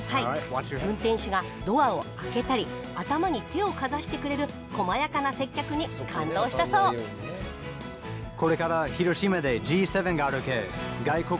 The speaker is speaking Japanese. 運転手がドアを開けたり頭に手をかざしてくれるこまやかな接客に感動したそう思う。